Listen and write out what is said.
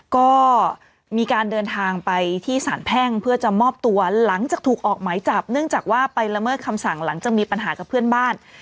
ก็มีการเดินทางไปที่สารแพ่งเพื่อจะมอบตัวหลังจากถูกออกหมายจับเนื่องจากว่าไปละเมิดคำสั่งหลังจากมีปัญหากับเพื่อนบ้าน